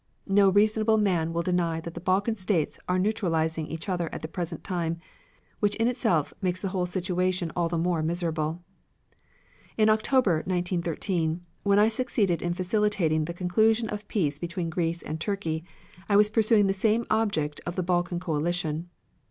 No reasonable man will deny that the Balkan States are neutralizing each other at the present time, which in itself makes the whole situation all the more miserable. "In October, 1913, when I succeeded in facilitating the conclusion of peace between Greece and Turkey, I was pursuing the same object of the Balkan coalition.